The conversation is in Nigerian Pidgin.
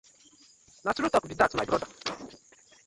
Na true talk be dat my brother.